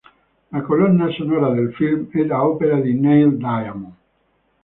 La colonna sonora del film è ad opera di Neil Diamond.